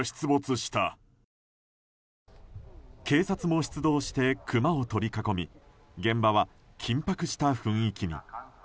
警察も出動してクマを取り囲み現場は緊迫した雰囲気が。